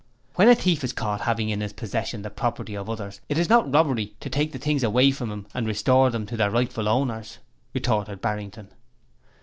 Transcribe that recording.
'When a thief is caught having in his possession the property of others it is not robbery to take the things away from him and to restore them to their rightful owners,' retorted Barrington.